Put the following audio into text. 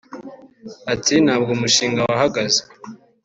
Ati “Ntabwo umushinga wahagaze